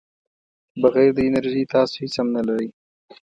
بغیر د انرژۍ تاسو هیڅ هم نه لرئ.